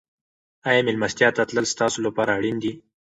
آیا مېلمستیا ته تلل ستاسو لپاره اړین دي؟